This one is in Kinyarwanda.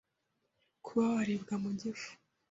kuba waribwa mu gifu,